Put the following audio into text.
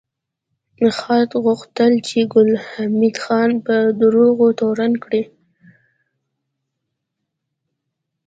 خاد غوښتل چې ګل حمید خان په دروغو تورن کړي